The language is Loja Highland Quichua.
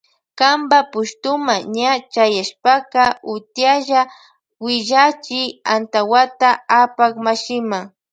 Kanpa pushtuma ña chayashpaka utiyalla willachi antawata apak mashima.